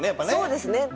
そうですね。